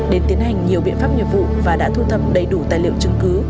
đến tiến hành nhiều biện pháp nghiệp vụ và đã thu thập đầy đủ tài liệu chứng cứ